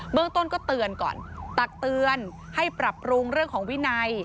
เมืองต้นก็เตือนก่อนตักเตือนให้ปรับปรุงเรื่องของวินัย